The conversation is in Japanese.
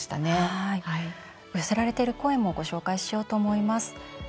寄せられている声もご紹介しようと思います。